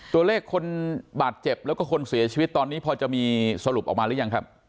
ตัวเลขคนบาดเจ็บแล้วก็คนเสียชีวิตตอนนี้พอจะมีสรุปออกมาหรือยังครับ